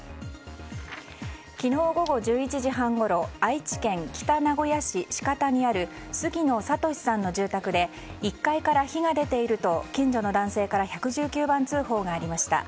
昨日午後１１時半ごろ愛知県北名古屋市鹿田にある杉野佐利さんの住宅で１階から火が出ていると近所の男性から１１９番通報がありました。